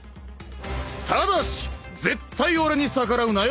ただし絶対俺に逆らうなよ